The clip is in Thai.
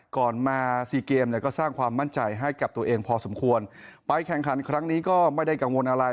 ก่อนมาสี่เกมเนี่ยก็สร้างความมั่นใจให้กับตัวเองพอสมควรไปแข่งขันครั้งนี้ก็ไม่ได้กังวลอะไร